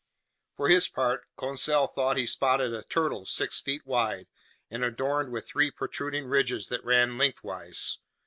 For his part, Conseil thought he spotted a turtle six feet wide and adorned with three protruding ridges that ran lengthwise.